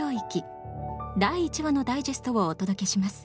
第１話のダイジェストをお届けします。